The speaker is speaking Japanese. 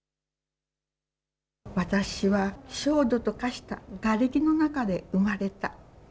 私は焦土と化したがれきの中で生まれた。